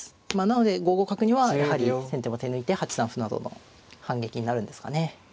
なので５五角にはやはり先手も手抜いて８三歩などの反撃になるんですかね。